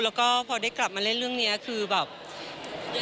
แล้วก็พอได้กลับมาเล่นเรื่องนี้คือแบบ